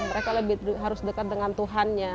mereka lebih harus dekat dengan tuhannya